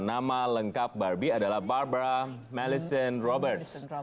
nama lengkap barbie adalah barbara madison roberts